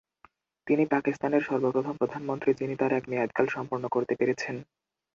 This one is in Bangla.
তিনি পাকিস্তানের সর্বপ্রথম প্রধানমন্ত্রী যিনি তার এক মেয়াদকাল সম্পূর্ণ করতে পেরেছেন।